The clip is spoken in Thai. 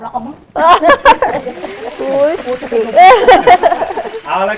ของคุณยายถ้วน